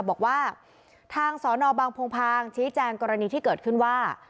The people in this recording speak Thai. บอกว่าทางสนบางพงพางชี้แจงกรณีที่เกิดขึ้นว่า